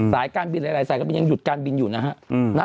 สายการบินหลายสายการบินยังหยุดการบินอยู่นะฮะ